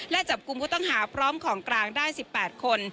และจับกลุ่มผู้ต้องหาพร้อมของกลางได้๑๘คน